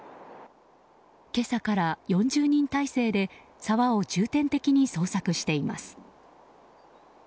今朝から４０人態勢で沢を重点的に捜索しています。